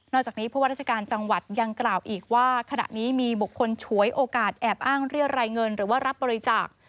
จากนี้ผู้ว่าราชการจังหวัดยังกล่าวอีกว่าขณะนี้มีบุคคลฉวยโอกาสแอบอ้างเรียรายเงินหรือว่ารับบริจาค